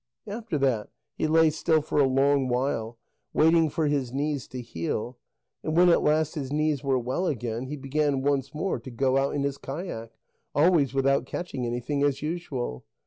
After that he lay still for a long while, waiting for his knees to heal, and when at last his knees were well again, he began once more to go out in his kayak, always without catching anything, as usual.